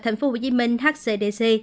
thành phố hồ chí minh hcdc